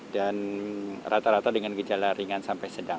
dan rata rata dengan gejala ringan sampai sedang